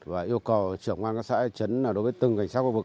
và yêu cầu trưởng quan các xã hội chấn đối với từng cảnh sát khu vực